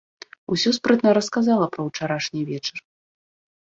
Усё спрытна расказала пра ўчарашні вечар.